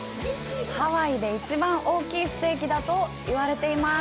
ハワイで一番大きいステーキだと言われています！